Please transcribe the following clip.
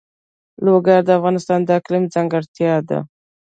لوگر د افغانستان د اقلیم ځانګړتیا ده.